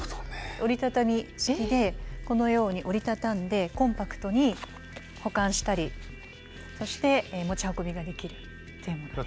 折り畳み式でこのように折り畳んでコンパクトに保管したりそして持ち運びができるというものです。